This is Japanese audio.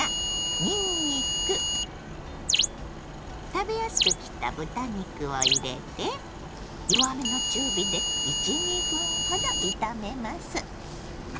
にんにく食べやすく切った豚肉を入れて弱めの中火で１２分ほど炒めます。